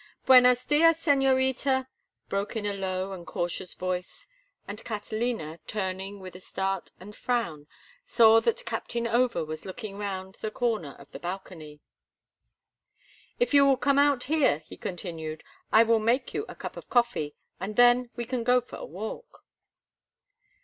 "Buenas dias, señorita," broke in a low and cautious voice, and Catalina, turning with a start and frown, saw that Captain Over was looking round the corner of the balcony. "If you will come out here," he continued, "I will make you a cup of coffee, and then we can go for a walk."